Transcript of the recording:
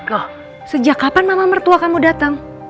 loh sejak kapan mama mertua kamu datang